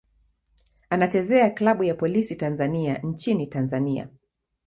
Anachezea klabu ya Polisi Tanzania nchini Tanzania.